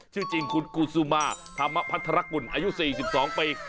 ชื่อจริงคุณกูซูมาธรรมพัทรกุลอายุ๔๒ปี